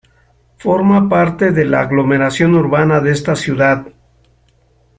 Forma parte de la aglomeración urbana de esta ciudad.